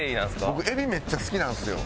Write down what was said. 僕海老めっちゃ好きなんですよ。